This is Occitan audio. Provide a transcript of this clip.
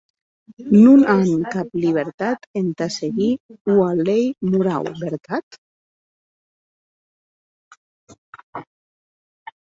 Non an cap libertat entà seguir ua lei morau, vertat?